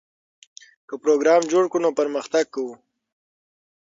که پروګرام جوړ کړو نو پرمختګ کوو.